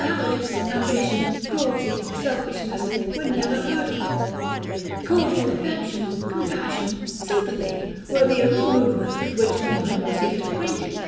Avarice, ambition, cruelty, selfishness, were never heard of: Cordial affection, compassion, sympathy, were the only movements with which the mind was yet acquainted.